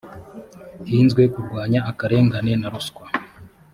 hizwe kurwanya akarengane na ruswa